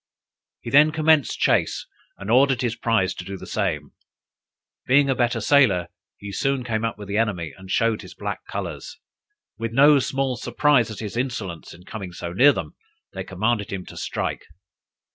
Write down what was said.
He then commenced chase, and ordered his prize to do the same. Being a better sailer, he soon came up with the enemy, and showed his black colors. With no small surprise at his insolence in coming so near them, they commanded him to strike.